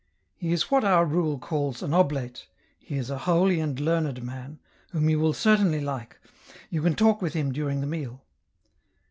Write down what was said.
He is what our rule calls an oblate, he is a holy and learned man, whom you will certainly like ; you can talk with him during the meal."